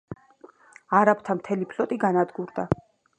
არაბთა მთელი ფლოტი განადგურდა.